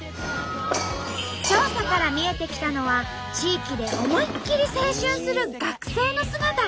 調査から見えてきたのは地域で思いっ切り青春する学生の姿。